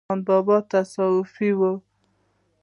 رحمان بابا صوفي و